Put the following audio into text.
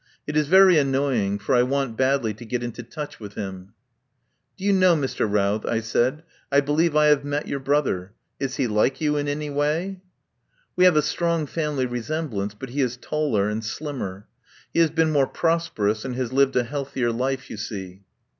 It is very annoying, for I want badly to get into touch with him." "Do you know, Mr. Routh," I said, "I be lieve I have met your brother. Is he like you in any way?" "We have a strong family resemblance, but he is taller and slimmer. He has been more prosperous, and has lived a healthier life, you see."